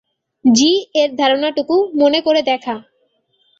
জি-এর ধারণাটুকু মনে করে দেখা।